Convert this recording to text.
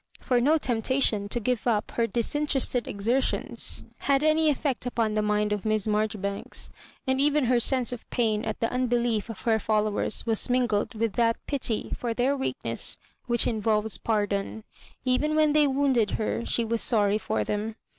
For no temp tation to give up her disinterested exertions had any effect upon the mind of Miss Maijori banks; and even her sense of pain at the unbe lief of her followers was mingled with that pity for their weakness which involves pardon. Even when they wounded her she was sorry for them.